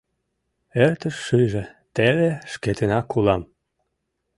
Эртыш шыже, теле Шкетынак улам.